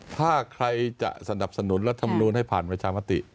ถ้าใครจะสนับสนุนรัฐมนูลให้ผ่านประชามติ